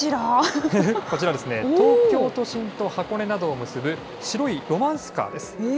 こちらは東京都心と箱根などを結ぶ、白いロマンスカーです。